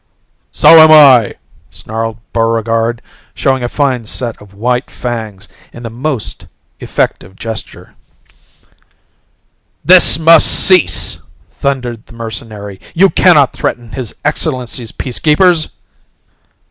"So am I!" snarled Buregarde showing a fine set of white fangs in the most effective gesture. "This must cease!" thundered the mercenary. "You cannot threaten His Excellency's Peacekeepers!"